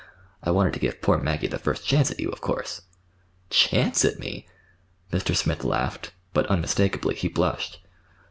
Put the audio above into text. I wanted to give poor Maggie the first chance at you, of course." "Chance at me!" Mr. Smith laughed,—but unmistakably he blushed.